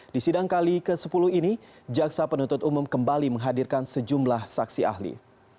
di sidang kali ke sepuluh ini jaksa penuntut umum kembali menghadirkan sejumlah saksi ahli